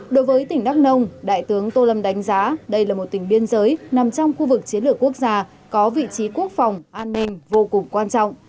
đối với tỉnh đắk nông đại tướng tô lâm đánh giá đây là một tỉnh biên giới nằm trong khu vực chiến lược quốc gia có vị trí quốc phòng an ninh vô cùng quan trọng